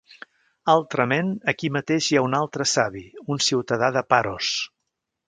Altrament aquí mateix hi ha un altre savi, un ciutadà de Paros